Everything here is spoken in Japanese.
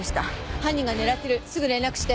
犯人が狙ってるすぐ連絡して。